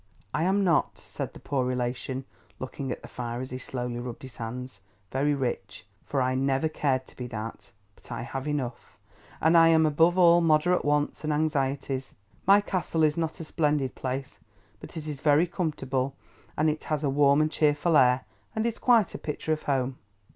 I am not (said the poor relation, looking at the fire as he slowly rubbed his hands) very rich, for I never cared to be that; but I have enough, and am above all moderate wants and anxieties. My Castle is not a splendid place, but it is very comfortable, and it has a warm and cheerful air, and is quite a picture of Home.